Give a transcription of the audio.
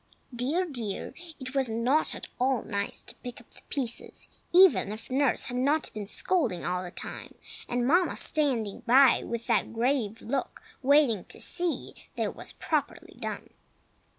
Dear! dear! it was not at all nice to pick up the pieces, even if nurse had not been scolding all the time, and Mamma standing by with that grave look, waiting to see that it was properly done.